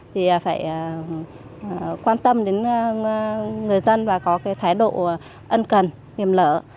thì phải quan tâm đến người dân và có cái thái độ ân cần niềm lở